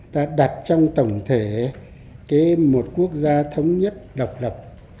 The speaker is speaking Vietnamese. ta đặt trong tổng thể một quốc gia thống nhất độc lập